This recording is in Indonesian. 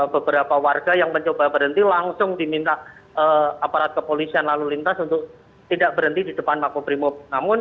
beberapa warga yang mencoba berhenti langsung diminta aparat kepolisian lalu lintas untuk tidak berhenti di depan makobrimob